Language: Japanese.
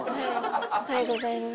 おはようございます。